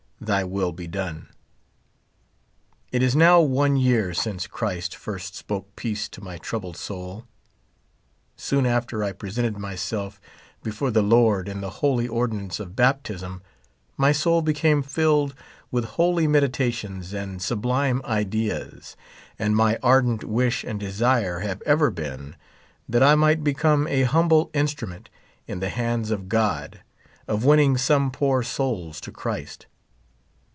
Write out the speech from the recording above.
" Thy will be done.*' It is now one year since Christ first spoke peace to my troubled soul. Soon after I presented myself before the Lord in the holy ordinance of baptism, my soul became tilled with hol}^ meditations and sublime ideas ; and my ardent wish and desire have ever been, that I might become a humble instrument in the hands of God, of winning some poor souls to Christ.